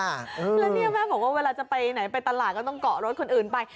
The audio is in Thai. แล้วเนี่ยแม่บอกว่าเวลาจะไปไหนไปตลาดก็ต้องเกาะรถคนอื่นไป